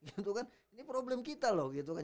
gitu kan ini problem kita loh gitu kan